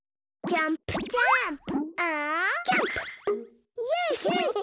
ジャンプジャンプ！